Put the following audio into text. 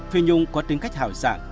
phi nhung có tính cách hào sản